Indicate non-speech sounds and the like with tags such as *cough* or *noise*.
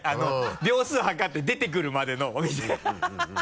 秒数計って出てくるまでのお店 *laughs*